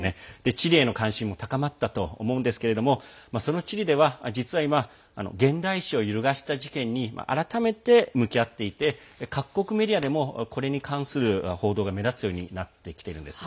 チリへの関心も高まったと思うんですけれどもそのチリでは実は今現代史を揺るがした事件に改めて向き合っていて各国メディアでもこれに関する報道が目立つようになっています。